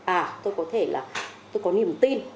à tôi có thể là tôi có niềm tin